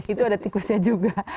itu ada tikusnya juga